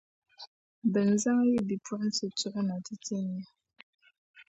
bɛ ni zaŋ yi bipuɣinsi tuɣi na ti tin ya.